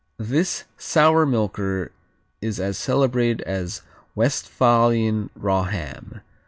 This sour milker is as celebrated as Westphalian raw ham.